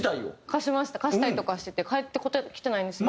貸したりとかしてて返ってきてないんです。